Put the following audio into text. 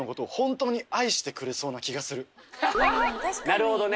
なるほどね。